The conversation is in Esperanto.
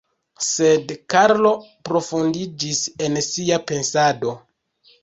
Sed Karlo profundiĝis en sia pensado.